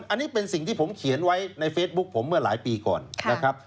อันนี้เป็นสิ่งที่ผมเขียนไว้ในเฟซบุ๊คผมเมื่อหลายปีก่อนนะครับ